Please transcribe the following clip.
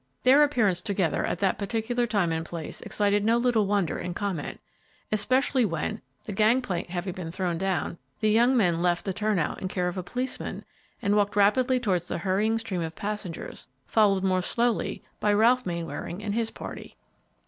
Their appearance together at that particular time and place excited no little wonder and comment, especially when, the gangplank having been thrown down, the young men left the turnout in care of a policeman and walked rapidly towards the hurrying stream of passengers, followed more slowly by Ralph Mainwaring and his party.